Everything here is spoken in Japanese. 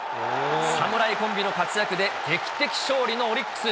侍コンビの活躍で劇的勝利のオリックス。